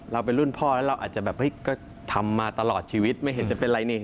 เป็นรุ่นพ่อแล้วเราอาจจะแบบเฮ้ยก็ทำมาตลอดชีวิตไม่เห็นจะเป็นอะไรนี่